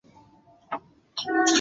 推进日本人移民满洲计划。